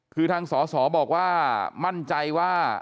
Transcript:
คือทางสศธิติพัฒน์บอกว่า